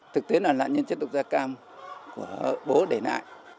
thực tế là là nhân chất độc gia cam của bố để lại